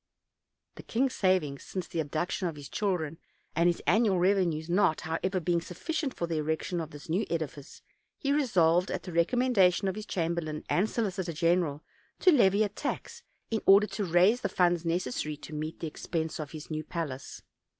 The king's savings since the abduction of his children and his annual revenues not, however, being sufficient for the erection of this new edifice, he resolved, at the recom mendation of his chamberlain and solicitor general, to levy a tax, in order to raise the funds necessary to meet the expense of his new palace.